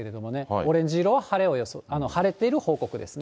オレンジ色は晴れている報告ですね。